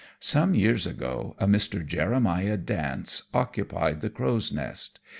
Some years ago a Mr. Jeremiah Dance occupied the Crow's Nest.